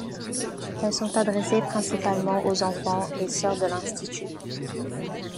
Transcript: Elles sont adressées principalement aux enfants et sœurs de l'institut.